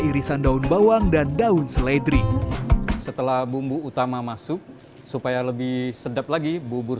irisan daun bawang dan daun seledri setelah bumbu utama masuk supaya lebih sedap lagi bubur